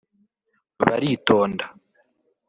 baritonda